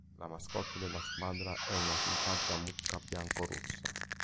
La mascotte della squadra è una simpatica mucca bianco-rossa.